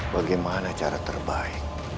bagaimana cara terbaik